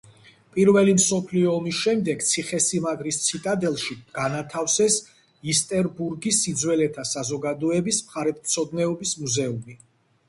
პირველი მსოფლიო ომის შემდეგ ციხესიმაგრის ციტადელში განათავსეს ინსტერბურგის სიძველეთა საზოგადოების მხარეთმცოდნეობის მუზეუმი.